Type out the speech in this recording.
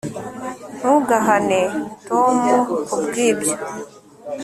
ntugahane tom kubwibyo